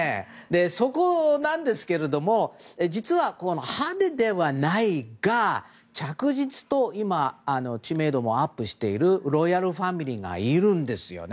そこなんですけれども実は、派手ではないが着実と知名度もアップしているロイヤルファミリーがいるんですよね。